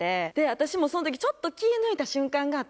私もその時ちょっと気抜いた瞬間があって。